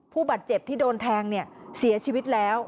ผู้บาดเจ็บที่โดนแทงเนี่ยเสียชีวิตแล้ว